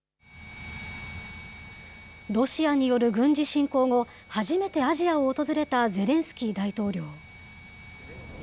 ロシアによる軍事侵攻後、初めてアジアを訪れたゼレンスキー大統領。